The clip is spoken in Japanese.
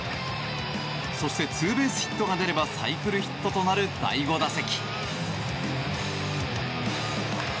そしてツーベースヒットが出ればサイクルヒットとなる第５打席。